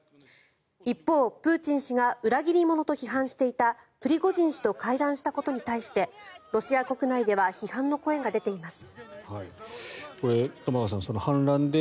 一方、プーチン氏が裏切り者と批判していたプリゴジン氏と会談したことに対してロシア国内では批判の声が出ています。